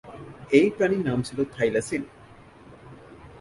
এই প্রাণীর নাম ছিল থাইলাসিন।